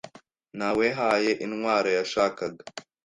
Nawehaye intwaro yashakaga.